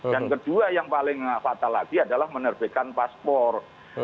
dan kedua yang paling fatal lagi adalah menerbekan paspor